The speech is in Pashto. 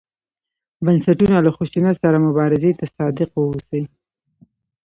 بنسټونه له خشونت سره مبارزې ته صادق واوسي.